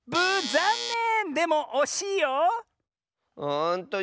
ざんねん！